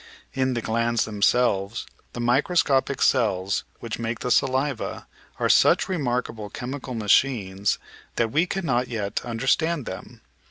In the glands themselves the microscopic cells which make the saliva are such remarkable chemical machines that we cannot yet understand them.